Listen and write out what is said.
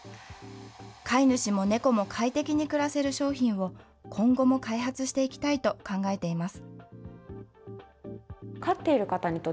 飼い主も猫も快適に暮らせる商品を、今後も開発していきたいと考えています。